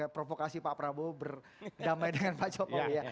provokasi pak prabowo berdamai dengan pak jokowi ya